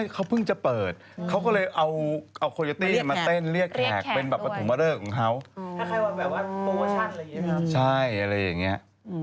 คุณปูอันนเทศรีกับคุณมัชทรีย์